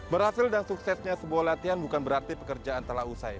berhasil dan suksesnya sebuah latihan bukan berarti pekerjaan telah usai